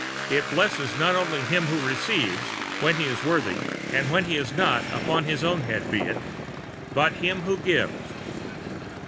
It blesses not only him who receives (when he is worthy; and when he is not upon his own head be it), but him who gives.